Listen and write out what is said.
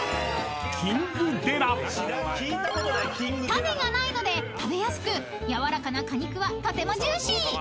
［種がないので食べやすく柔らかな果肉はとてもジューシー］